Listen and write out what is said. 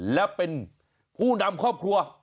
และเป็นผู้นำครอบครัว